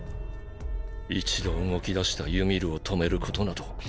一度動きだしたユミルを止めることなど。